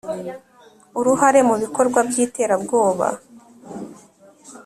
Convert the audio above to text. uruhare mu bikorwa by iterabwoba